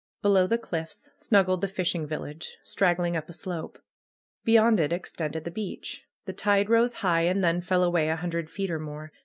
Below the cliffs snuggled the fishing village, strag gling up a slope. Beyond it extended the beach. The tide rose high and then fell away a hundred feet or more.